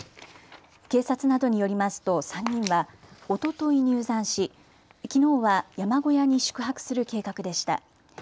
警察などによりますと３人はおととい入山しきのうは山小屋に宿泊する計画でした。